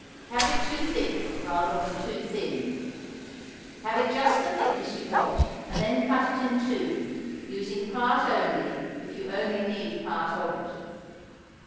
Have it too thick rather than too thin. Have it just the thickness you want and then cut it in two, using part only if you only need part of it.